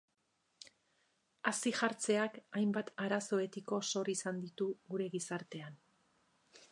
Hazi-jartzeak hainbat arazo etiko sor izan ditu gure gizartean.